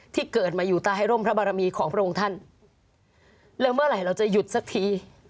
ที่เกิดมาอยู่ใต้ร่มพระบารมีของพระองค์ท่านแล้วเมื่อไหร่เราจะหยุดสักที